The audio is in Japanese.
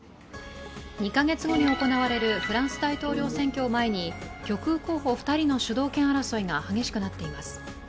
２カ月後に行われるフランス大統領選挙を前に極右候補２人の主導権争いが激しくなっています。